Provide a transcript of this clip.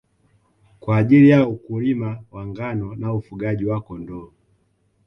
kwa ajili ya ukulima wa ngano na ufugaji wa Kondoo